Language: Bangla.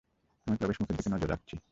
আমি প্রবেশমুখের দিকে নজর রাখছি!